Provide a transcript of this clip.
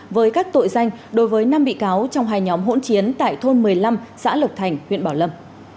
với các tội danh đối với năm bị cáo trong hai nhóm hỗn chiến tại thôn một mươi năm xã lộc thành huyện bảo lâm